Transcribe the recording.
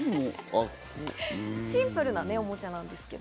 シンプルなおもちゃなんですけど。